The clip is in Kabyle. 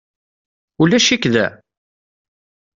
Ulac-ik da?